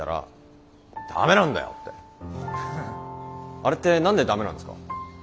あれって何でダメなんですか？